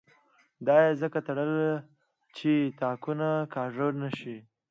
دا یې ځکه تړل چې تاکونه کاږه نه شي.